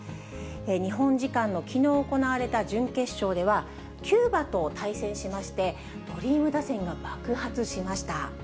日本時間のきのう行われた準決勝では、キューバと対戦しまして、ドリーム打線が爆発しました。